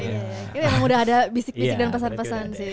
ini emang udah ada bisik bisik dan pesan pesan sih